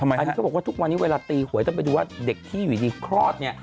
อันนี้เขาบอกว่าทุกวันนี้เวลาตีหวยต้องไปดูว่าเด็กที่อยู่ดีคลอดเนี่ย